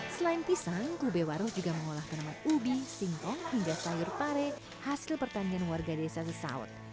selain pisang gube waroh juga mengolah penambang ubi singpong hingga sayur pare hasil pertanian warga desa sesaot